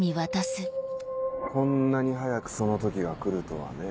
こんなに早くその時が来るとはね。